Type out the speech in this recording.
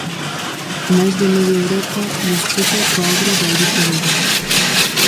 Máis de media Europa desfruta coa obra de Alberto Veiga.